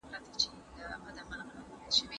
د مسلمان مرسته صدقه ده.